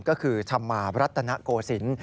ก็คือธรรมารัตนโกศิลป์